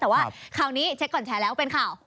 แต่ว่าคราวนี้เช็คก่อนแชร์แล้วเป็นข่าว